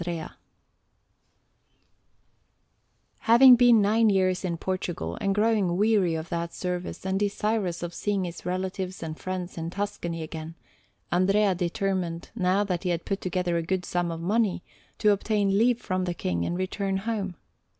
Rome: S. Maria del Popolo) Alinari] Having been nine years in Portugal, and growing weary of that service, and desirous of seeing his relatives and friends in Tuscany again, Andrea determined, now that he had put together a good sum of money, to obtain leave from the King and return home.